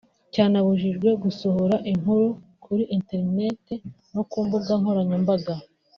cyanabujijwe gusohora inkuru kuri internet no ku mbuga nkoranyambaga